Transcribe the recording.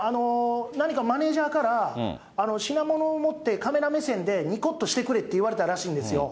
何かマネージャーから、品物を持ってカメラ目線でにこっとしてくれって言われたらしいんですよ。